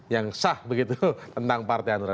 yang sah begitu tentang partai hanura